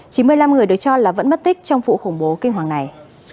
chỉ một mươi năm người được cho là vẫn mất tích trong vụ khủng bố kinh hoàng này